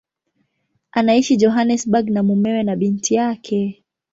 Anaishi Johannesburg na mumewe na binti yake.